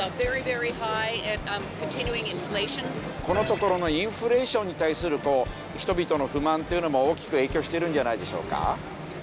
このところのインフレーションに対する人々の不満っていうのも大きく影響してるんじゃないでしょうか。